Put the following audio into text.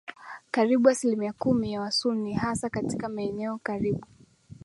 Karibu asilumia kumi ni Wasunni hasa katika maeneo karibu